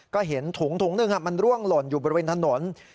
ก็เห็นถุงถุงหนึ่งมันร่วงหล่นอยู่บริเวณถนน